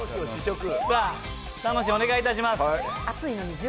楽、お願いいたします。